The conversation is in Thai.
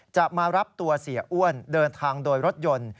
จะมารับตัวเสียอ้วนเดินทางโดยรถยนต์